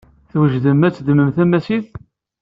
Twejdem ad teddmem tamasit?